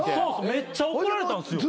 めっちゃ怒られたんすよ。